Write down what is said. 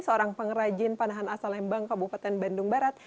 seorang pengrajin panahan asal lembang kabupaten bandung barat